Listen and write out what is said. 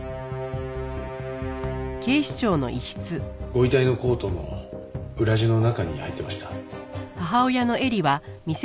ご遺体のコートの裏地の中に入っていました。